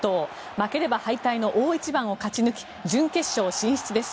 負ければ敗退の大一番を勝ち抜き準決勝進出です。